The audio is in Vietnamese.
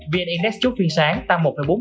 vn index chốt phiên sáng tăng một bốn mươi hai